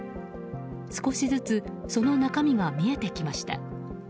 少しずつその中身が見えてきました。